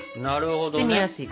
包みやすいからね。